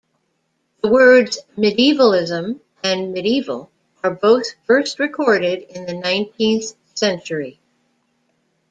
The words "medievalism" and "Medieval" are both first recorded in the nineteenth century.